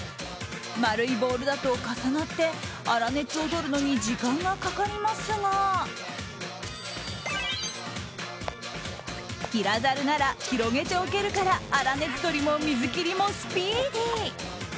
丸いボウルだと重なって粗熱をとるのに時間がかかりますが平ざるなら広げておけるから粗熱とりも水切りもスピーディー。